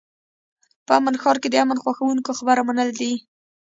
په امن ښار کې د امن خوښوونکو خبره منل دي.